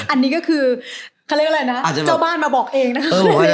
อันนี้ก็คือเขาเรียกอะไรนะเจ้าบ้านมาบอกเองนะคะ